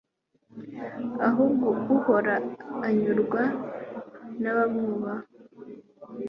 uhubwo uhoraho anyurwa n'abamwubaha